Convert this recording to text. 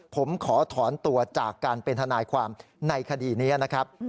ผมขอถอนตัวจากการเป็นทนายความในคดีนี้นะครับ